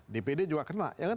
dpd juga kena